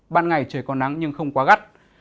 ban ngày trời còn nắng nhưng không quá gắt